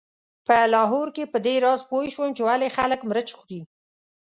په لاهور کې په دې راز پوی شوم چې ولې خلک مرچ خوري.